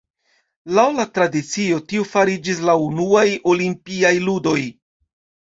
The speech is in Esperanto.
Laŭ la tradicio, tio fariĝis la unuaj olimpiaj ludoj.